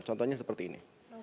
contohnya seperti ini